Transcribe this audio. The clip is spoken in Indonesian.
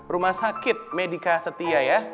rumah sakit medika setia ya